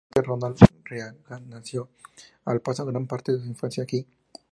El presidente Ronald Reagan nació y pasó gran parte su infancia aquí.